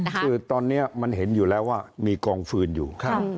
คือตอนนี้มันเห็นอยู่แล้วว่ามีกองฟืนอยู่